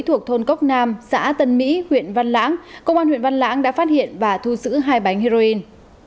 thuộc thôn cốc nam xã tân mỹ huyện văn lãng công an huyện văn lãng đã phát hiện và thu giữ hai bánh heroin